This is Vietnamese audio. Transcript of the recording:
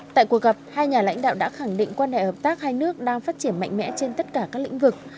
tại cuộc gặp hai nhà lãnh đạo đã khẳng định quan hệ hợp tác hai nước đang phát triển mạnh mẽ trên tất cả các lĩnh vực